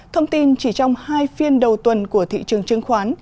thông tin chỉ trong hai phiên đầu tuần của thị trường chứng khoán